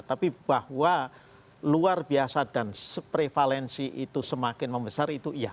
tapi bahwa luar biasa dan prevalensi itu semakin membesar itu iya